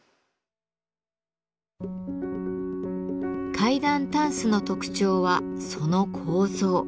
階段たんすの特徴はその構造。